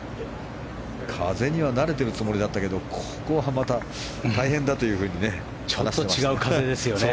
風には慣れているつもりだったけどここはまた大変だというふうに話していましたね。